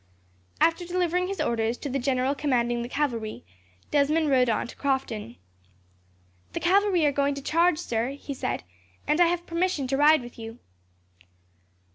After delivering his orders to the general commanding the cavalry, Desmond rode on to Crofton. "The cavalry are going to charge, sir," he said, "and I have permission to ride with you."